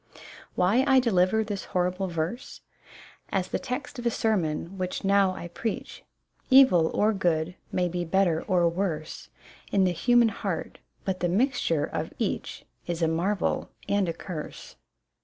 Why I deliver this horrible verse ? As the text of a sermon, which now T preach : Evil or good may be better or worse In the human heart, but the mixture of each Is a marvel and a curse.